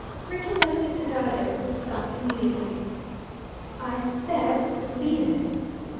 Rickie left it to Dido, who stopped immediately. "I said LEAVE it."